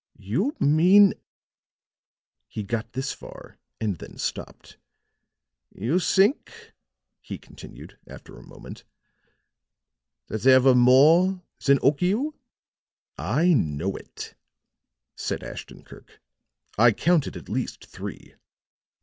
"You mean " he got this far and then stopped. "You think," he continued, after a moment, "that there were more than Okiu?" "I know it," said Ashton Kirk. "I counted at least three.